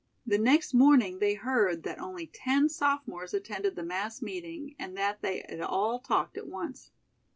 The next morning they heard that only ten sophomores attended the mass meeting and that they had all talked at once.